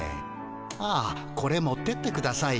ああこれ持ってってください。